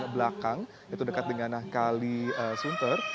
di belakang itu dekat dengan nahkali sunter